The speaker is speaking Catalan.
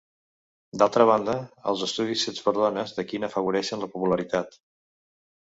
D'altra banda, els estudis fets per dones d'aquí n'afavoreixen la popularitat.